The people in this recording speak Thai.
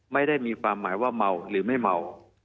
ไม่ได้มีความหมายว่าเมาหรือไม่เมา